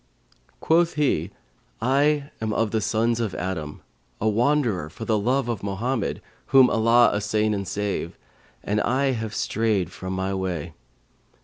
Quoth he, 'I am of the sons of Adam, a wanderer for the love of Mohammed (whom Allah assain and save!) and I have strayed from my way.'